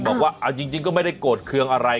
บอกว่าเอาจริงก็ไม่ได้โกรธเครื่องอะไร